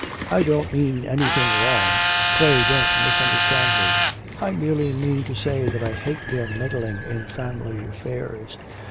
I don't mean anything wrong; pray don't misunderstand me. I merely mean to say that I hate their meddling in family affairs.